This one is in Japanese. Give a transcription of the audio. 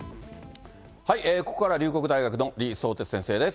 ここからは龍谷大学の李相哲先生です。